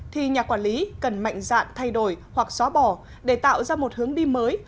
thì nhà quản lý cần mạnh dạn thay đổi hoặc xóa bỏ để tạo ra một hướng đi mới